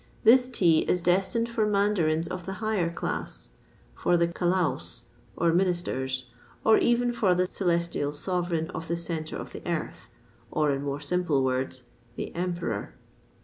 This tea is destined for mandarins of the higher class, for the Calaos or ministers, and even for the celestial sovereign of the Centre of the Earth or, in more simple words, the Emperor.